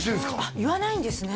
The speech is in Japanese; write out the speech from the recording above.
言わないんですね